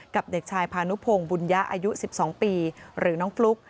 เด็กชายพานุพงศ์บุญยะอายุ๑๒ปีหรือน้องฟลุ๊ก